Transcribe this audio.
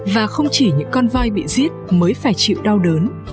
và không chỉ những con voi bị giết mới phải chịu đau đớn